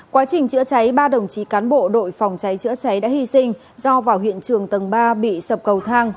quá trình chữa cháy ba đồng chí cán bộ đội phòng cháy chữa cháy đã hy sinh do vào hiện trường tầng ba bị sập cầu thang